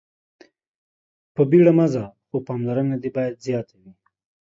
په بيړه ځه خو پاملرنه دې باید زياته وي.